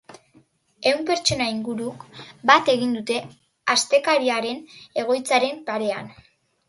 Ehun pertsona inguruk bat egin dute astekariaren egoitzaren parean.